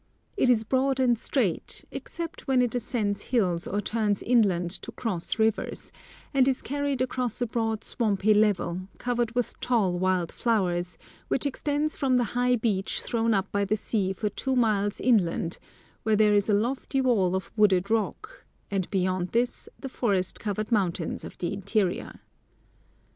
It is broad and straight, except when it ascends hills or turns inland to cross rivers, and is carried across a broad swampy level, covered with tall wild flowers, which extends from the high beach thrown up by the sea for two miles inland, where there is a lofty wall of wooded rock, and beyond this the forest covered mountains of the interior.